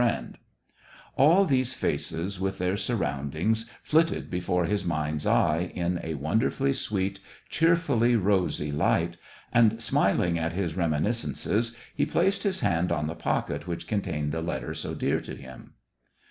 43 friend) ; all these faces with their surroundings flitted before his mind's eye, in a wonderfully sweet, cheerfully rosy light, and, smiling at his reminis cences, he placed his hand on the pocket which contained the letter so dear to him.